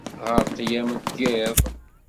Ɣer ṭṭlam n yiḍ.